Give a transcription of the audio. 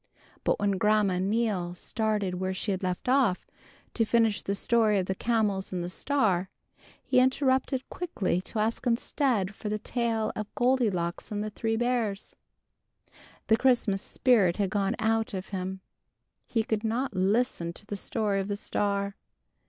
But when Grandma Neal started where she had left off, to finish the story of the Camels and the Star, he interrupted quickly to ask instead for the tale of Goldilocks and the Three Bears. The Christmas Spirit had gone out of him. He could not listen to the story of the Star.